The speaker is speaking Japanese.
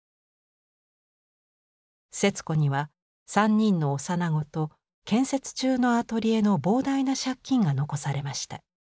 節子には３人の幼子と建設中のアトリエの膨大な借金が残されました。